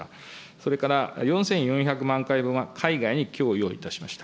それから４４００万回分は海外に供与をいたしました。